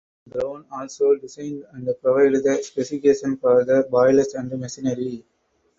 Brown also designed and provided the specification for the boilers and machinery.